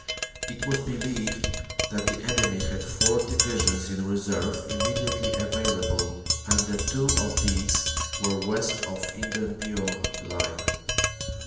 It was believed that the enemy had four Divisions in reserve immediately available, and that two of these were west of the Hindenburg Line.